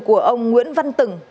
của ông nguyễn văn tửng